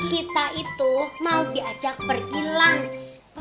kita itu mau diajak pergi langsung